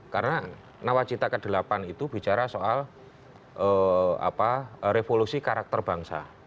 karena nawacita ke delapan itu bicara soal apa revolusi karakter bangsa